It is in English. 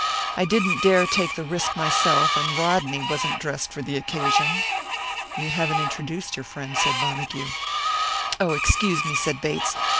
I didn't dare take the risk myself, and Rodney wasn't dressed for the occasion." "You haven't introduced your friend," said Montague. "Oh, excuse me," said Bates. "Mr.